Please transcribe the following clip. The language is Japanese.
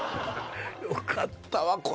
よかったわ。